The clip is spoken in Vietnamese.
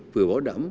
vừa bảo đảm